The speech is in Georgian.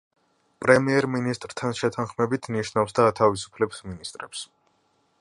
პრემიერ-მინისტრთან შეთანხმებით ნიშნავს და ათავისუფლებს მინისტრებს.